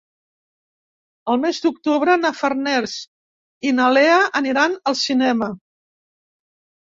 El nou d'octubre na Farners i na Lea aniran al cinema.